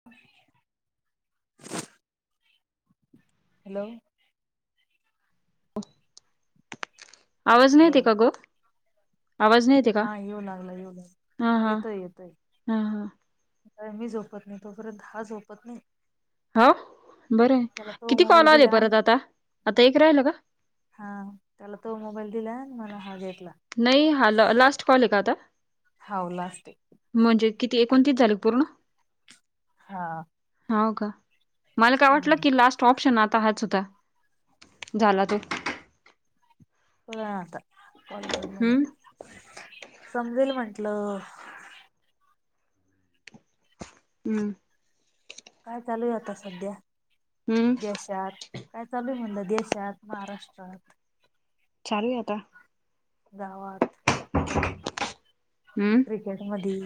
[inaudible] Hello.. आवाज नाही hello येते का ग? आवाज नाही येत. हा येऊ लागला येऊ लागला, येतोय येतोय. हां हां. का, मी झोपत नाही तो पर्यंत हा झोपत नाही. हो बरं आहे, त्याला तो किती कॉल मोबाईल आले दिला परत आता, आता एक राहिला का? हा त्याला तो मोबाईल दिला मला हा घेटला. नाही हा लास्, लास्ट कॉल आहे का आता? हाऊ लास्ट आहे. म्हणजे किती एकोणतीस झाले का पूर्ण? हा हाऊ का? मला काय वाटलं की लास्ट ऑप्शन आता हाच होता, झाला तो. हं. [inaudible] समजेल म्हंटलं. हम्म काय चालू आहे आता सध्या हं. देशात? काय चालू आहे म्हणलं देशात, महाराष्ट्रात? चालुय आता. गावात? हम्म खेडेमदी?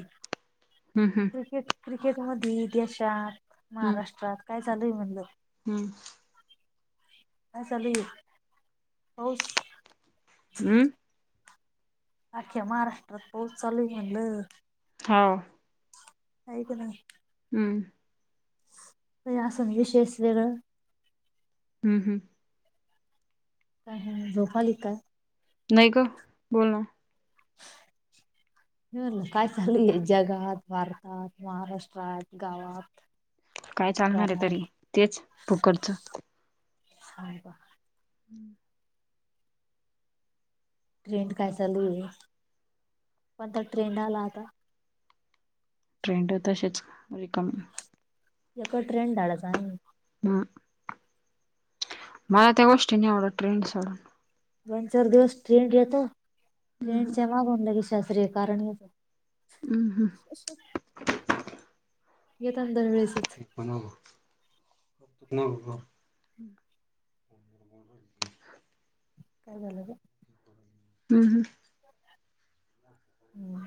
हम्म हम्म क्रिकेट क्रिकेट मध्ये देशात, महाराष्ट्रात काय चालूय म्हणलं? हम्म काय चालु आहे, पाऊस? अं? अख्या महाराष्ट्रात पाऊस चालू आहे म्हटलं. हां ऐकु नाही [unintelligible] हम्म काय आसन विषस वेगळं. हम्म हम्म काय ह झोप आली काय? नाही गं बोल ना. [inaudible] मी म्हणलं काय चालू आहे जगात, भारतात, महाराष्ट्रात, गावात? काय चालणार आहे तरी, घरात तेच फुकटच. सायबा हम्म ट्रेंड काय चालू आहे? कोणता तर ट्रेंड आला आता? ट्रेंड तसेच रिकमी. [unintelligible] हा. मला त्या गोष्टी नाही आवडत ट्रेंड सोडून. दोन- चार दिवस ट्रेंड येतो, हम्म ट्रेंडच्या मागं होऊन ला के शास्त्रीय कारण येत हम्म हम्म असु येताना दरवेळेस येतान. गप कुलूप लाऊन जा. काय झालं ग? हम् हम. हम.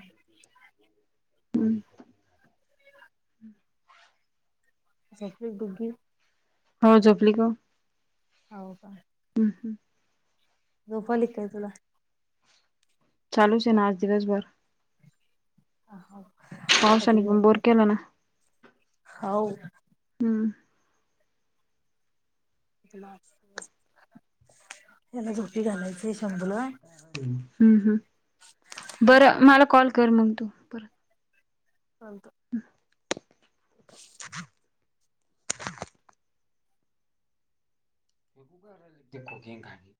हमं. जर फोटो ठेवून. हो झोपली का? हो का. हं हं. झोप आली का काय तुला? चालूच आहे ना आज दिवसभर. पावसाने थकली पण बोर वाटत? केला ना हो. हम्म हेला झोप हेला झोपी घालायचं. ते शंभूला. हम्म हम्. बरं मला कॉल कर मग तू. परत चाल [unintelligible] तिकडून एक आहे.